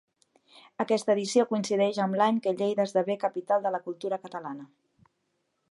Aquesta edició coincideix amb l’any que Lleida esdevé capital de la cultura catalana.